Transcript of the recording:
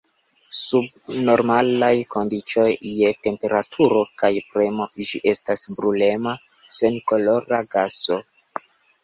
Sub normalaj kondiĉoj je temperaturo kaj premo ĝi estas brulema senkolora gaso.